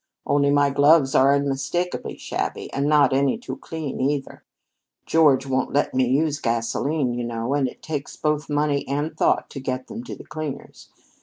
Only my gloves are unmistakably shabby and not any too clean, either. George won't let me use gasoline, you know, and it takes both money and thought to get them to the cleaners.